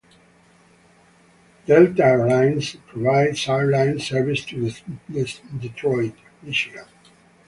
Delta Air Lines provides airline service to Detroit, Michigan.